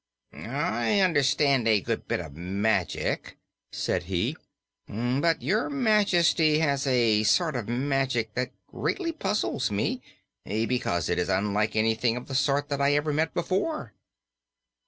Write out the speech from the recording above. "I understand a good bit of magic," said he, "but Your Majesty has a sort of magic that greatly puzzles me, because it is unlike anything of the sort that I ever met with before."